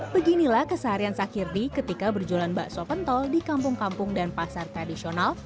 beginilah keseharian sakirdi ketika berjualan bakso pentol di kampung kampung dan pasar tradisional